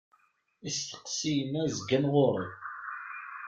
Isteqsiyen-a zgan ɣur-i.